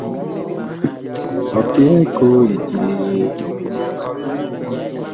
Ɔ byɛɛ koo lidi li yee ?